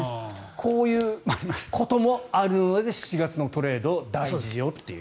こういうこともあるので７月のトレード、大事よという。